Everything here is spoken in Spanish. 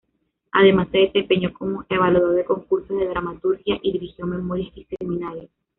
Además se desempeñó como evaluador de concursos de dramaturgia y dirigió memorias y seminarios.